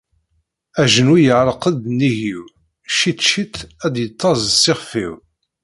Ajenwi iɛelleq-d nnig-iw, ciṭ ciṭ ad d-yettaẓ s ixef-iw.